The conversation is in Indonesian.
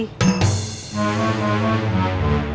dua jam lebih